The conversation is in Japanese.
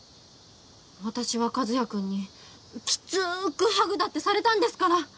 私は和也くんにきつくハグだってされたんですから！